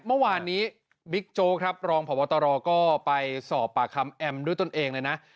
เมื่อวานนี้บิ๊กโจ๊กครับรองพบตรก็ไปสอบปากคำแอมด้วยตนเองเลยนะ